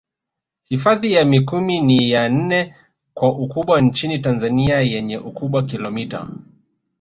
Hifadhi ya Mikumi ni ya nne kwa ukubwa nchini Tanzania yenye ukubwa kilomita